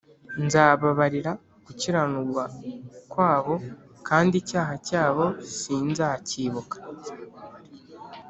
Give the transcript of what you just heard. Nzababarira gukiranirwa kwabo kandi icyaha cyabo sinzacyibuka